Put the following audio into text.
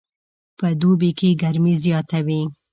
په دوبي کې ګرمي زیاته وي